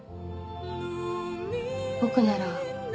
「僕なら」